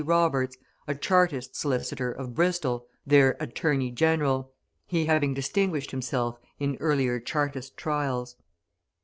P. Roberts, a Chartist solicitor, of Bristol, their "Attorney General," he having distinguished himself in earlier Chartist trials.